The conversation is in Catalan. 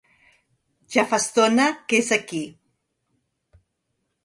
ja fa estona que és aquí